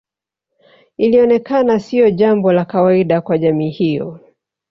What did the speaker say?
Ilionekana sio jambo la kawaida kwa jamii hiyo